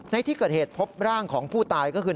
ในที่เกิดเหตุพบร่างของผู้ตายก็คือ